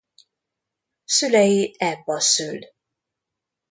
Szülei Ebba szül.